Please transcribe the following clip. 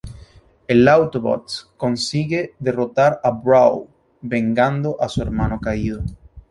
El Autobot consigue derrotar a Brawl vengando a su hermano caído.